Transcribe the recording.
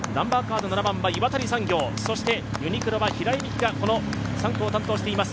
７番は岩谷産業、ユニクロは平井見季が３区を担当しています。